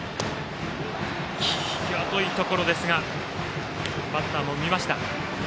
際どいところですがバッター、見ました。